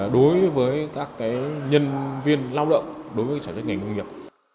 đối với các cái nhân viên lao động đối với cái trải nghiệm nông nghiệp